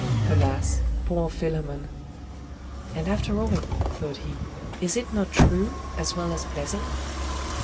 Alas! poor Philammon! 'And after all,' thought he, 'is it not true, as well as pleasant?